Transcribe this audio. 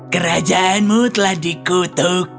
kerajaanmu telah dikutuk